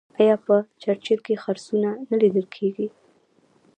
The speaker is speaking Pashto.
آیا په چرچیل کې خرسونه نه لیدل کیږي؟